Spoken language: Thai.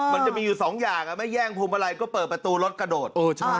มันจะมีอยู่สองอย่างไม่แย่งพวงมาลัยก็เปิดประตูรถกระโดด